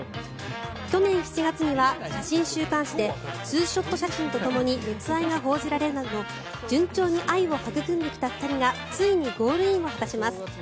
去年７月には写真週刊誌でツーショット写真とともに熱愛が報じられるなど順調に愛を育んできた２人がついにゴールインを果たします。